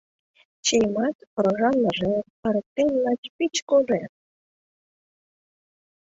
Чиемат — рожан мыжер, Ырыктен лач пич кожер.